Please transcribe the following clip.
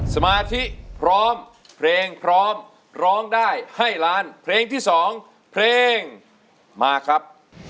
สมาธิพร้อมเพลงพร้อมร้องได้ให้ล้านเพลงที่๒เพลงมาครับ